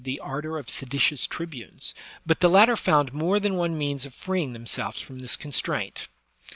THE ROMAN COMITIA 105 ardor of seditious tribunes; but the latter found more than one means of freeing themselves from this con straint.